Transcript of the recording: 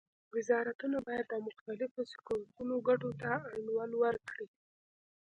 وزارتونه باید د مختلفو سکتورونو ګټو ته انډول ورکړي